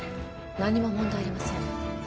何も問題ありません